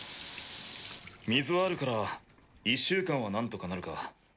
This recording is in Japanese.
水はあるから１週間はなんとかなるか。